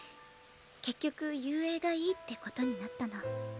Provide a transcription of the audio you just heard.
結局雄英がいいって事になったの。